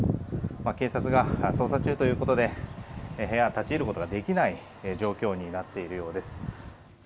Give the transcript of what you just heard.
警察が捜査中ということで部屋は立ち入ることができない状況になっているようです。